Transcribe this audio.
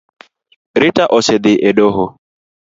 Rita osedhi e doho